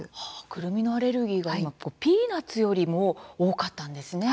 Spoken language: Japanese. くるみのアレルギーが今ピーナツよりも多かったんですね。